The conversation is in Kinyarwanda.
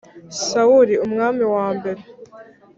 sawuli, umwami wa mbere